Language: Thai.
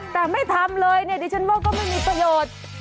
แต่ไม่ทำเลยเนี่ยดิฉันว่าก็ไม่มีประโยชน์